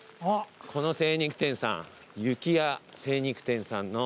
この精肉店さん由基屋精肉店さんの。